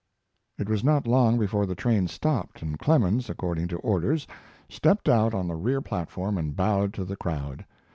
It was not long before the train stopped, and Clemens, according to orders, stepped out on the rear platform and bowed to the crowd.